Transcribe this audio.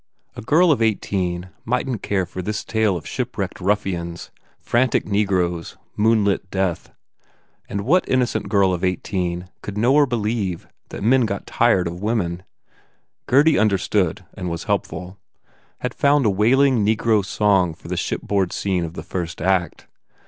A girl of eighteen mightn t care for this tale of shipwrecked ruffians, frantic negroes, moonlit death. And what innocent girl of eighteen could know or believe that men got tired of women? Gurdy understood and was helpful, had found a 214 BUBBLE wailing negro song for the shipboard scene of the first act.